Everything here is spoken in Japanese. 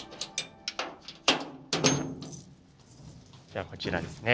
ではこちらですね。